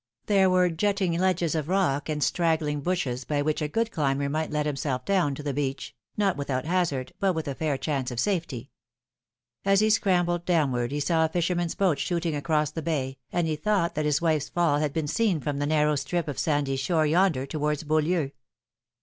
There were jutting ledges of rock and straggling bushes by which a good climber migbt let himself down to the beach, not without hazard, but with a fair chance of safety. As he scrambled downward he saw a fisherman's boat shooting across the bay, and he thought that his wife's fall had been seen from the narrow strip of sandy shore yonder towards Beaulieu.